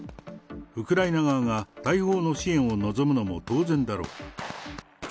ウクライナ側が大砲の支援を望むのも当然だろう。